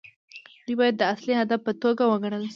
دوی باید د اصلي هدف په توګه وګڼل شي.